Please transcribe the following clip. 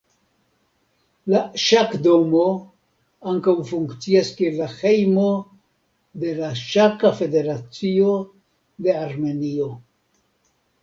La ŝakdomo ankaŭ funkcias kiel la hejmo de la Ŝaka Federacio de Armenio.